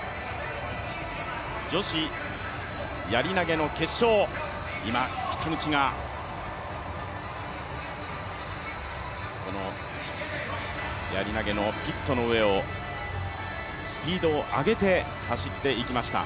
女子やり投げの決勝、今、北口がこのやり投のピットの上をスピードを上げて走っていきました。